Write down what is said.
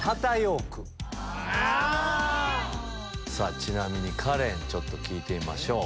ちなみにカレンちょっと聞いてみましょう。